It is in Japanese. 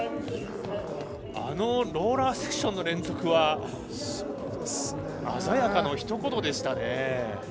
あのローラーセクションの連続は鮮やかのひと言でしたね。